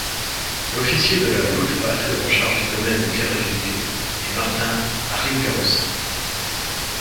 L'officier de la Luftwaffe en charge du domaine de Kerlivio est Martin Harlinghausen.